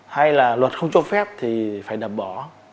hay là luật không cho phép thì phải đập bỏ